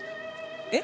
えっ？